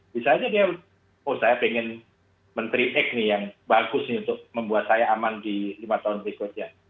bisa aja dia oh saya pengen menteri eg nih yang bagus nih untuk membuat saya aman di lima tahun berikutnya